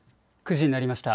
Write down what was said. ９時になりました。